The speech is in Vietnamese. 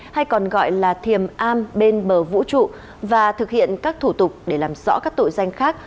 hay còn gọi là thiềm am bên bờ vũ trụ và thực hiện các thủ tục để làm rõ các tội danh khác